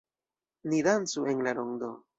Ni dancu en la rondo.